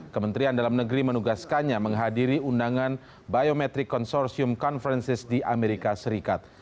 kementerian dalam negeri menugaskannya menghadiri undangan biometric consortium conferences di amerika serikat